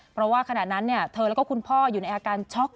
เพราะว่าขณะนั้นเธอแล้วก็คุณพ่ออยู่ในอาการช็อก